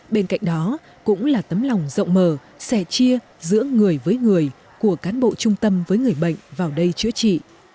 bên cạnh đó cũng là tấm lòng rộng mờ sẻ chia giữa người với người của cán bộ trung tâm với người bệnh vào đây chữa trị